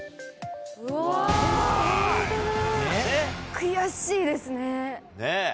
悔しいですね。